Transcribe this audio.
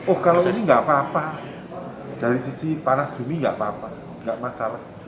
oh kalau sini nggak apa apa dari sisi panas bumi nggak apa apa enggak masalah